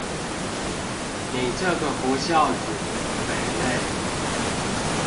你這個不肖子、匪類